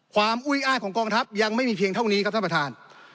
อุ้ยอ้ายของกองทัพยังไม่มีเพียงเท่านี้ครับท่านประธาน